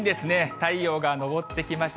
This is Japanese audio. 太陽が昇ってきました。